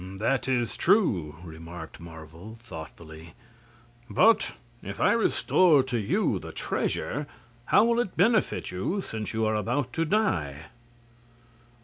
"That is true," remarked Marvel, thoughtfully. "But, if I restore to you the treasure, how will it benefit you, since you are about to die?"